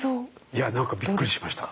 いやなんかびっくりしました。